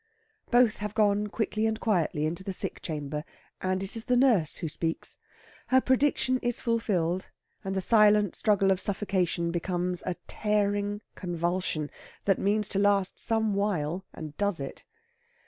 Both have gone quickly and quietly into the sick chamber, and it is the nurse who speaks. Her prediction is fulfilled, and the silent struggle of suffocation becomes a tearing convulsion, that means to last some while and does it.